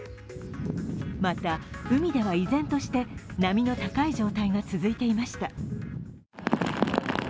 また海では依然として波の高い状態が続いていました。